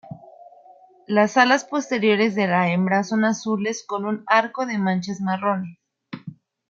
Las alas posteriores de la hembra son azules con un arco de manchas marrones.